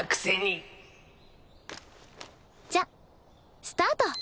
じゃスタート！